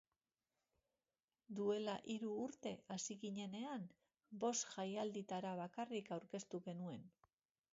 Duela hiru urte hasi ginenean, bost jaialditara bakarrik aurkeztu genuen.